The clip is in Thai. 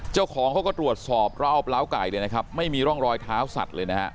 เจ้าของเขาก็ตรวจสอบรอบล้าวไก่เลยนะครับไม่มีร่องรอยเท้าสัตว์เลยนะฮะ